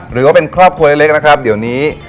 หรือว่าเป็นครอบครัวเล็กนะครับเดี๋ยวนี้